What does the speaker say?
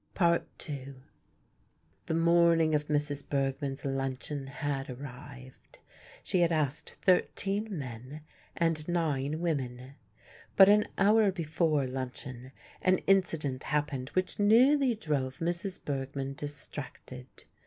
II The morning of Mrs. Bergmann's luncheon had arrived. She had asked thirteen men and nine women. But an hour before luncheon an incident happened which nearly drove Mrs. Bergmann distracted.